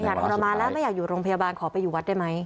ไม่อยากอุณหมาแล้วไม่อยากอยู่โรงพยาบาลขอไปอยู่วัดได้ไหม